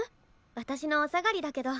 私のお下がりだけど。